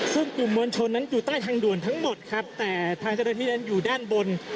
ซึ่งกลุ่มมวลชนนั้นอยู่ใต้ทางด่วนทั้งหมดครับแต่ทางเจ้าหน้าที่นั้นอยู่ด้านบน